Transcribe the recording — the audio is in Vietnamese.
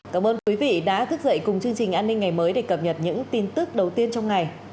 cảm ơn quý vị đã thức dậy cùng chương trình an ninh ngày mới để cập nhật những tin tức đầu tiên trong ngày